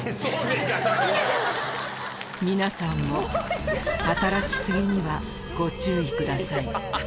皆さんも働き過ぎにはご注意ください